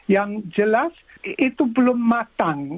yang jelas itu belum matang